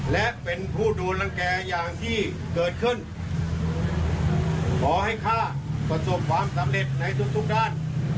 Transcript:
และเป็นผู้โดนรังแก่อย่างที่เกิดขึ้นขอให้ข้าประสบความสำเร็จในทุกทุกด้าน